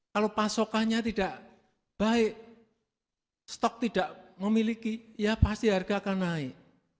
kalau pasokannya tidak baik stok tidak memiliki ya pasti harga akan naik